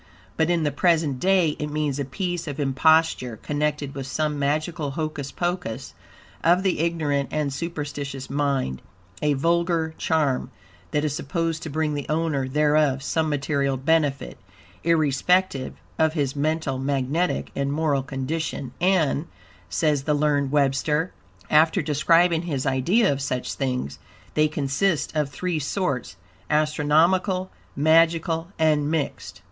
But, in the present day it means a piece of imposture, connected with some magical hocus pocus of the ignorant and superstitious mind, a vulgar charm, that is supposed to bring the owner thereof some material benefit, irrespective of his mental, magnetic, and moral condition, "and," says the learned Webster, after describing his idea of such things, "they consist of three sorts, astronomical, magical and mixed."